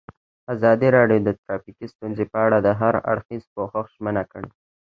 ازادي راډیو د ټرافیکي ستونزې په اړه د هر اړخیز پوښښ ژمنه کړې.